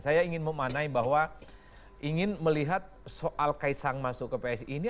saya ingin memanai bahwa ingin melihat soal kaisang masuk ke psi ini